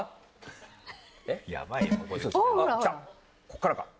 ここからか？